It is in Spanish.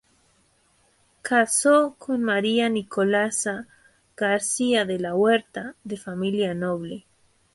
Casó con María Nicolasa García de la Huerta, de familia noble.